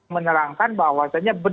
menerangkan bahwasannya berbeda